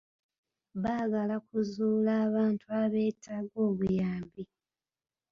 Baagala kuzuula abantu abeetaaga obuyambi.